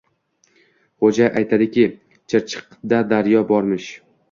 Xo‘ja aytadiki, Chirchiqda daryo bormish...